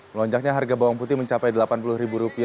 melonjaknya harga bawang putih mencapai rp delapan puluh